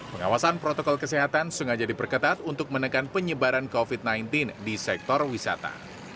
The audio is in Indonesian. pengawasan protokol kesehatan sengaja diperketat untuk menekan penyebaran covid sembilan belas di sektor wisata